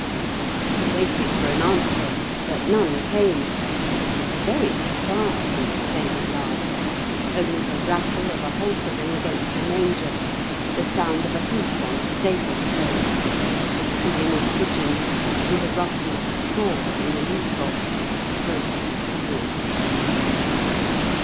He waited for an answer. But none came. It was very quiet in the stable yard. Only the rattle of a halter ring against a manger, the sound of a hoof on stable stones, the cooing of pigeons and the rustle of straw in the loose box broke the silence.